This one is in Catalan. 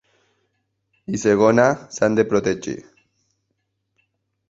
I segona, s’han de protegir.